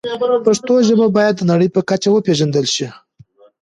پښتو ژبه باید د نړۍ په کچه وپیژندل شي.